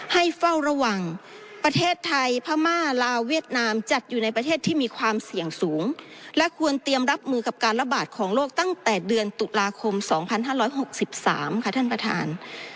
เฝ้าระวังประเทศไทยพม่าลาวเวียดนามจัดอยู่ในประเทศที่มีความเสี่ยงสูงและควรเตรียมรับมือกับการระบาดของโลกตั้งแต่เดือนตุลาคม๒๕๖๓ค่ะท่านประธาน